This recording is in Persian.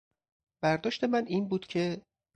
برداشت من این بود که...